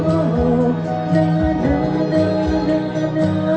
มันไม่ได้ขอว่าเธอต้องเคลียมเกินมา